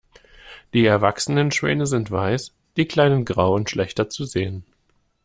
Die erwachsenen Schwäne sind weiß, die kleinen grau und schlechter zu sehen.